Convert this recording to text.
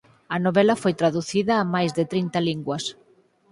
A novela foi traducida a máis de trinta linguas.